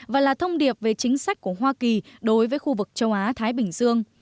và là thông điệp về chính sách của hoa kỳ đối với khu vực châu á thái bình dương